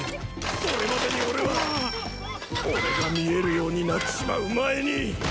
それまでに俺は俺が見えるようになっちまう前に。